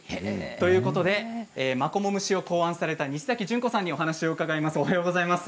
ということでマコモ蒸しを考案された西崎純子さんにお話を伺います。